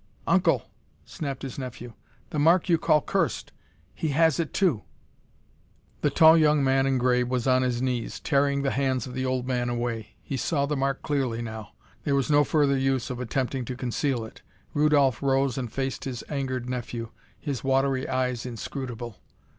"Uncle!" snapped his nephew, " the mark you call cursed! He has it, too!" The tall young man in gray was on his knees, tearing the hands of the old man away. He saw the mark clearly now. There was no further use of attempting to conceal it. Rudolph rose and faced his angered nephew, his watery eyes inscrutable.